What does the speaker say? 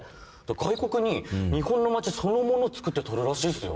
外国に日本の街そのものを造って撮るらしいっすよ。